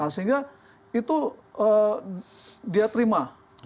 sehingga itu dia terima